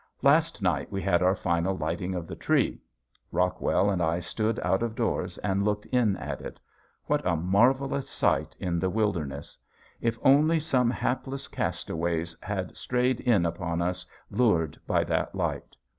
Last night we had our final lighting of the tree. Rockwell and I stood out of doors and looked in at it. What a marvelous sight in the wilderness. If only some hapless castaways had strayed in upon us lured by that light!